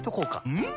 うん！